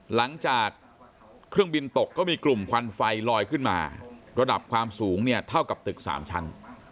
หลังจากเครื่องบินตกก็มีกลุ่มควันไฟลอยขึ้นมาระดับความสูงเนี่ยเท่ากับตึก๓ชั้น